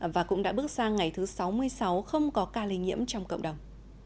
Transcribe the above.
và cũng đã bước sang ngày thứ sáu mươi sáu không có ca lây nhiễm trong cộng đồng